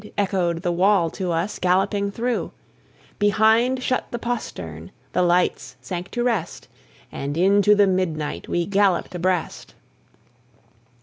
echoed the wall to us galloping through; Behind shut the postern, the lights sank to rest, And into the midnight we galloped abreast.